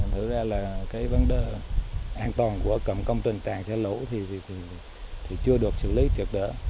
thực ra là vấn đề an toàn của cầm công trình tràn xả lũ thì chưa được xử lý trượt đỡ